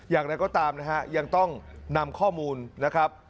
อย่างไรก็ตามนะฮะยังต้องนำข้อมูลนะครับ